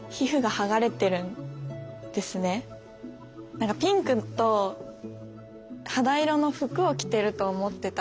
何かピンクと肌色の服を着てると思ってたボーダーの。